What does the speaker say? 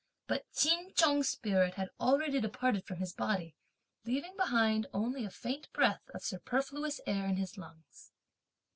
But Ch'in Chung's spirit had already departed from his body, leaving behind only a faint breath of superfluous air in his lungs.